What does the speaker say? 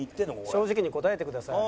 「正直に答えてください」。